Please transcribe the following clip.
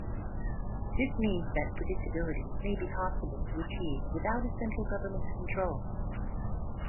This means that predictability may be possible to achieve without a central government's control.